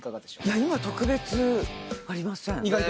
いや今特別ありません。